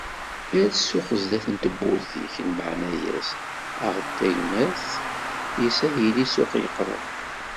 Err ssuq sdat n tewwurt-ik lmeɛna-as, aɣ-d tagmert, yes-s ad yili ssuq yeqreb.